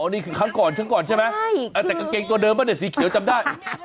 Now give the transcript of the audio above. นี่คือครั้งก่อนฉันก่อนใช่ไหมแต่กางเกงตัวเดิมป่ะเนี่ยสีเขียวจำได้